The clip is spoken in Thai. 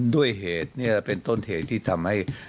ด้วยเหตุนี่แหละเป็นต้นเหตุที่ทำให้